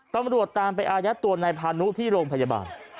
ตำรวจตามไปอายัดตัวนายพานุที่โรงพยาบาล